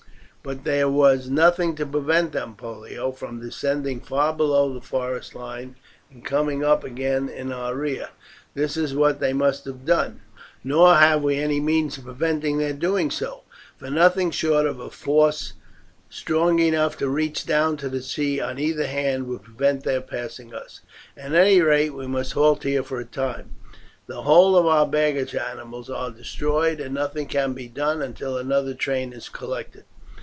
"But there was nothing to prevent them, Pollio, from descending far below the forest line and coming up again in our rear. This is what they must have done. Nor have we any means of preventing their doing so, for nothing short of a force strong enough to reach down to the sea on either hand would prevent their passing us. At any rate we must halt here for a time. The whole of our baggage animals are destroyed, and nothing can be done until another train is collected."